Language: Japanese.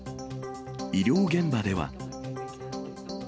医療現場では。